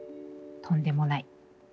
とんでもない。